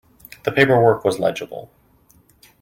The paperwork was legible.